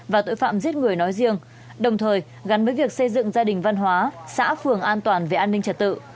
và tội phạm giết người nói riêng đồng thời gắn với việc xây dựng gia đình văn hóa xã phường an toàn về an ninh trật tự